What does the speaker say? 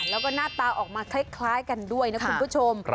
แล้วก็หน้าตาออกมาคล้ายกันด้วยนะคุณผู้ชม